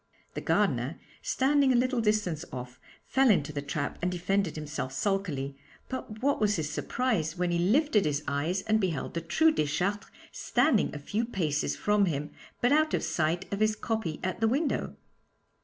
The gardener, standing a little distance off, fell into the trap and defended himself sulkily, but what was his surprise when he lifted his eyes and beheld the true Deschartres standing a few paces from him, but out of sight of his copy at the window?